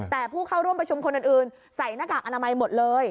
แต่ผู้เข้าร่วมประชุมคนอื่นใส่หน้ากากอนามัยหมดเลย